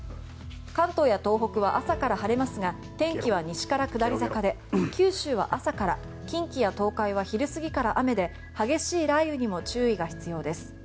関東や東北は朝から晴れますが天気は西から下り坂で九州は朝から近畿や東海は昼過ぎから雨で激しい雷雨にも注意が必要です。